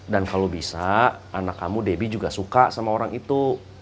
dan kalau bisa anak kamu debbie juga suka sama orang itu